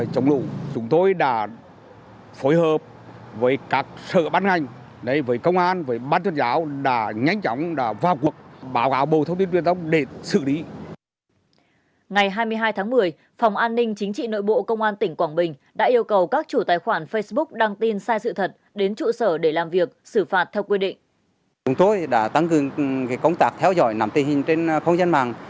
chúng tôi đã tăng cường công tác theo dõi nằm tình hình trên không gian mạng